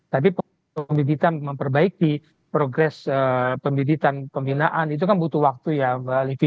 tapi pembibitan memperbaiki progres pembibitan pembinaan itu kan butuh waktu ya mbak livi